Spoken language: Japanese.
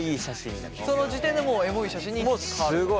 その時点でもうエモい写真に変わると。